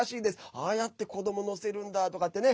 ああやって子ども乗せるんだとかってね。